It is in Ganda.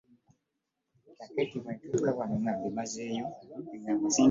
covid nineteen alina engeri gye yagootaanyaamu embeera y'ensi.